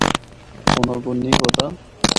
اُنّاں کو نیں پتہ۔